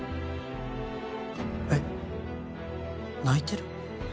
えっ？泣いてる？